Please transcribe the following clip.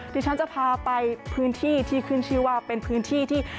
ที่ฉันจะพาไปพื้นที่ที่ขึ้นชื่อว่าเป็นพื้นที่ที่